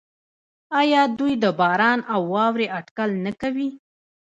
آیا دوی د باران او واورې اټکل نه کوي؟